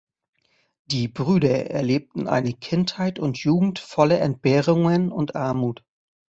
Die Brüder erlebten eine Kindheit und Jugend voller Entbehrungen und Armut.